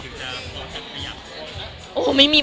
มันคิดว่าจะเป็นรายการหรือไม่มี